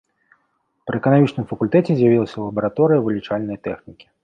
Пры эканамічным факультэце з'явілася лабараторыя вылічальнай тэхнікі.